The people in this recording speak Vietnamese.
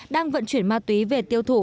đang vận chuyển ma túy về tiêu thụ